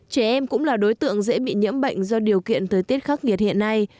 trẻ em cũng là đối tượng dễ bị nhiễm bệnh do điều kiện thời tiết khắc nghiệt hiện nay